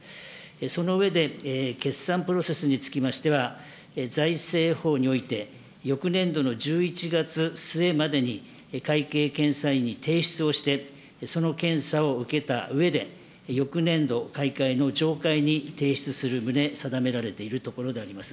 その上で、決算プロセスにつきましては、財政法において、翌年度の１１月末までに、会計検査院に提出をして、その検査を受けたうえで、翌年度、開会の常会に提出する旨、定められているところであります。